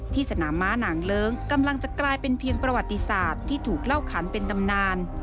สนามม้านางเลิ้งกำลังจะกลายเป็นเพียงประวัติศาสตร์ที่ถูกเล่าขันเป็นตำนาน